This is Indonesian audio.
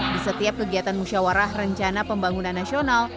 di setiap kegiatan musyawarah rencana pembangunan nasional